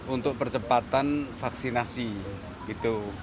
untuk percepatan vaksinasi